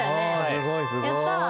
すごいすごい。